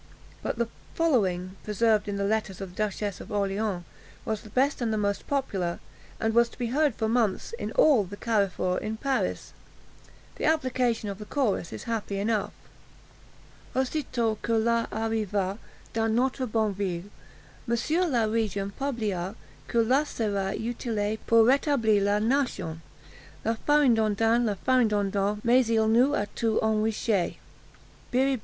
But the following, preserved in the letters of the Duchess of Orleans, was the best and the most popular, and was to be heard for months in all the carrefours in Paris. The application of the chorus is happy enough: Aussitôt que Lass arriva Dans notre bonne ville, Monsieur le Régent publia Que Lass serait utile Pour rétablir la nation. La faridondaine! la faridondon! Mais il nous a tous enrichi, _Biribi!